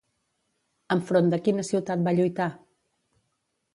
Enfront de quina ciutat va lluitar?